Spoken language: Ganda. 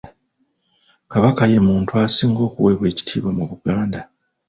Kabaka ye muntu asinga okuweebwa ekitiibwa mu Buganda.